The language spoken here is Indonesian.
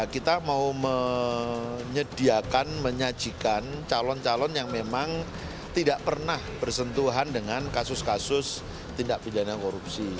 kita mau menyediakan menyajikan calon calon yang memang tidak pernah bersentuhan dengan kasus kasus tindak pidana korupsi